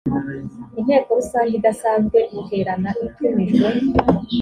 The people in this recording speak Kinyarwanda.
inteko rusange idasanzwe iterana itumijwe